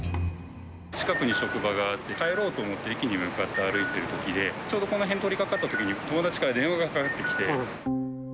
近くに職場があって、帰ろうと思って駅に向かって歩いてるときで、ちょうどこの辺通りかかったときに友達から電話がかかってきて。